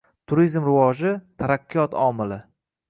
Turizm rivoji – taraqqiyot omili